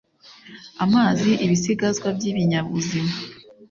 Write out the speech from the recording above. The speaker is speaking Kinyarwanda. amazi Ibisigazwa by ibinyabuzima